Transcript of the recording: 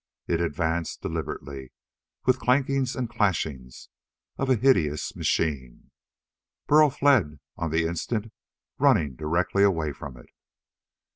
It advanced deliberately with clankings and clashings as of a hideous machine. Burl fled on the instant, running directly away from it.